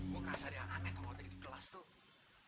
gue kaya ada yang aneh tau waktu tadi di kelas tuh